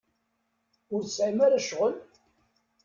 Ur tesɛim ara ccɣel?